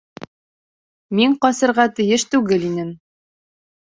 Мин ҡасырға тейеш түгел инем.